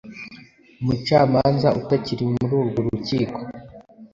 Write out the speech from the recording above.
umucamanza utakiri muri urwo rukiko